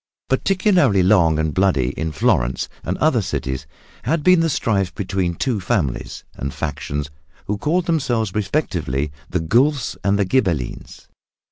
Particularly long and bloody in Florence and other cities had been the strife between two families and factions who called themselves respectively the Guelfs and the Ghibellines.